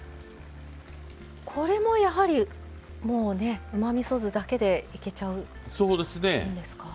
これも、やはりうまみそ酢だけでいけちゃうんですか。